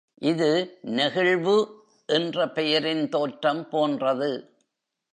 இது "நெகிழ்வு" என்ற பெயரின் தோற்றம் போன்றது.